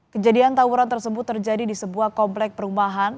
kejadian tawuran tersebut terjadi di sebuah komplek perumahan